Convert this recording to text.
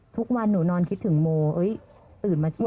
ทุกวันหนูนอนคิดถึงโมเฮ้ยตื่นมาช่วยหน่อย